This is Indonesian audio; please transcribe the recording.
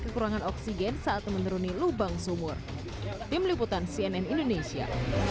kekurangan oksigen saat menuruni lubang sumur tim liputan cnn indonesia